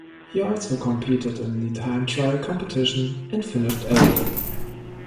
He also competed in the time trial competition and finished eighth.